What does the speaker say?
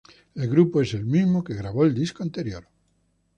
El grupo es el mismo que grabó el disco anterior.